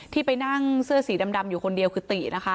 ที่ไปนั่งเสื้อสีดำอยู่คนเดียวคือตินะคะ